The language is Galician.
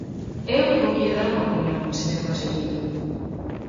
Eu voulle dar unha opinión, señor conselleiro.